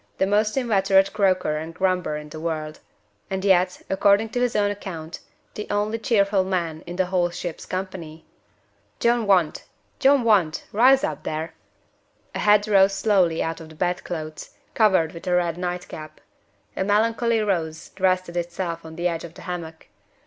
The most inveterate croaker and grumbler in the world and yet, according to his own account, the only cheerful man in the whole ship's company. John Want! John Want! Rouse up, there!" A head rose slowly out of the bedclothes, covered with a red night cap. A melancholy nose rested itself on the edge of the hammock.